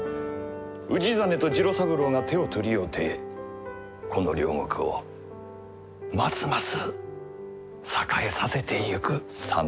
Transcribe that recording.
氏真と次郎三郎が手を取り合うてこの領国をますます栄えさせてゆく様がなあ。